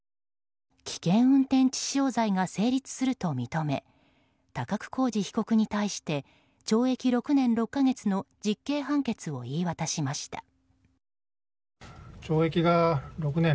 危険運転致死傷罪が成立すると認め高久浩二被告に対して懲役６年６か月の実刑判決を言い渡しました。